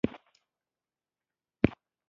او تمنا نه راځي